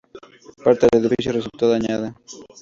Parte del edificio resultó dañada.